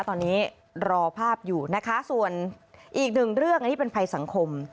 ตอนนี้รอภาพอยู่นะคะส่วนอีกหนึ่งเรื่องอันนี้เป็นภัยสังคม